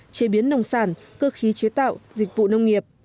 chế biến nông sản cơ khí chế tạo dịch vụ nông nghiệp